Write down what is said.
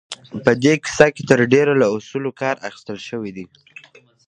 په دې کيسه کې تر ډېره له اصولو کار اخيستل شوی دی.